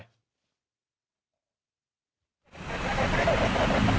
สุดท้ายตำรวจสาวพ่อเมืองสระบุรีช่วยสกัดจับหน่อย